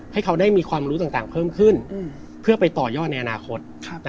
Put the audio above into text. ให้เขาได้มีความรู้ต่างเพิ่มขึ้นเพื่อไปต่อยอดในอนาคต